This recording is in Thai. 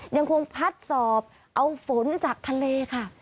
ยังคงพัดสอบเอาฝนจากทะเลค่ะ